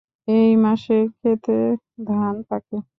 এই মাসে ক্ষেতে ধান পাকে।